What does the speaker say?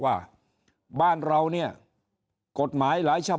ถ้าท่านผู้ชมติดตามข่าวสาร